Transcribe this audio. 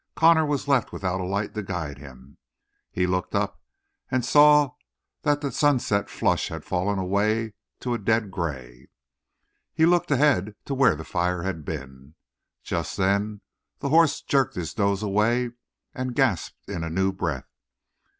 Connor was left without a light to guide him; he looked up and saw that the sunset flush had fallen away to a dead gray. He looked ahead to where the fire had been. Just then the horse jerked his nose away and gasped in a new breath.